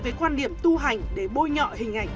về quan điểm tu hành để bôi nhọ hình ảnh